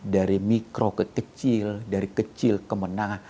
dari mikro ke kecil dari kecil ke menang